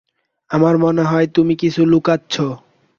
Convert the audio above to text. আমার মনে হয় তুমি কিছু লুকাচ্ছ।